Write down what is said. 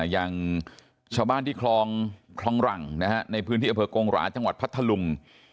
อย่างชาวบ้านที่คลองหลังในพื้นที่อำเภอกงหราจังหวัดพัทธลุง